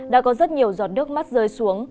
đã có rất nhiều giọt nước mắt rơi xuống